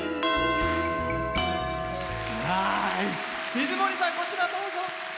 水森さん、こちらへどうぞ。